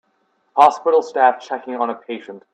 Hospital staff checking on a patient.